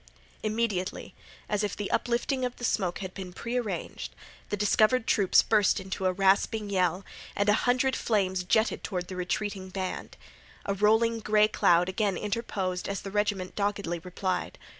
Immediately, as if the uplifting of the smoke had been prearranged, the discovered troops burst into a rasping yell, and a hundred flames jetted toward the retreating band. A rolling gray cloud again interposed as the regiment doggedly replied.